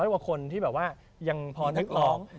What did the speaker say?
๒๐๐ว่าคนที่แบบว่ายังพอนักร้อง